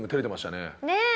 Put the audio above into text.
ねえ。